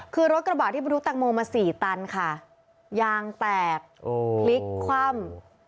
คือรถกระบาดที่ไปดูแตงโมมาสี่ตันค่ะยางแตกโอ้พลิกคว่ำ